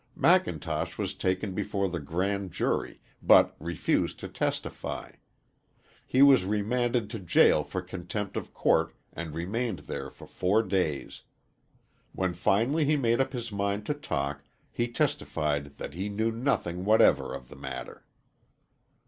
McIntosh was taken before the grand jury, but refused to testify. He was remanded to jail for contempt of court and remained there for four days. When finally he made up his mind to talk, he testified that he knew nothing whatever of the matter.